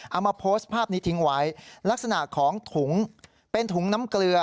เอามาโพสต์ภาพนี้ทิ้งไว้ลักษณะของถุงเป็นถุงน้ำเกลือ